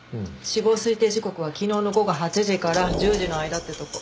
死亡推定時刻は昨日の午後８時から１０時の間ってとこ。